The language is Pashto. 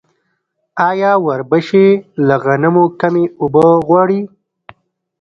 آیا وربشې له غنمو کمې اوبه غواړي؟